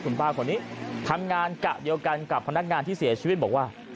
คุณป้าคนนี้ทำงานกะเดียวกันกับพนักงานที่เสียชีวิตบอกว่า